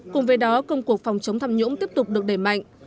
cùng với đó công cuộc phòng chống tham nhũng tiếp tục được đẩy mạnh